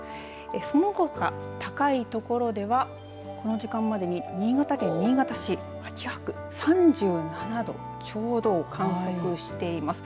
そのほか、高いところではこの時間までに新潟県新潟市秋葉区３７度ちょうどを観測しています。